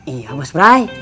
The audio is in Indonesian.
iya mas brai